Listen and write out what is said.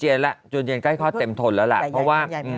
เรียกว่าจวนเจียนแค่ข้อเต็มทนแล้ว